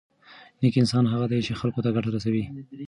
نېک انسان هغه دی چې خلکو ته ګټه رسوي.